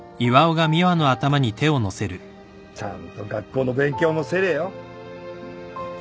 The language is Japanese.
ちゃんと学校の勉強もせれよ。